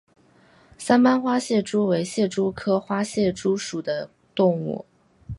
三斑花蟹蛛为蟹蛛科花蟹蛛属的动物。